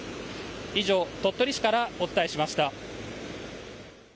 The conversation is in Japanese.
以上、鳥取市からお伝えしました。